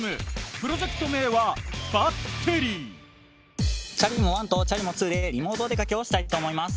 プロジェクト名は「チャリモ１」と「チャリモ２」でリモートお出かけをしたいと思います。